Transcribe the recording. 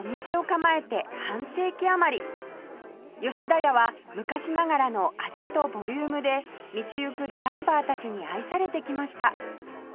田屋は昔ながらの味とボリュームで道行くドライバーたちに愛されてきました